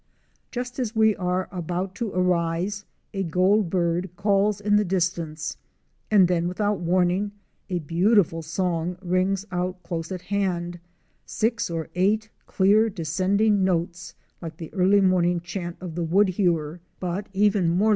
Just as we are about to arise, a Goldbird calls in the distance and then without warning a beautiful song rings out close at hand —six or eight clear descending notes like the early morning chant of the Woodhewer, but even more 194 OUR SEARCH FOR A WILDERNESS.